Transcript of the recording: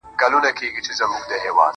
د خدای لپاره په ژړه نه کيږي __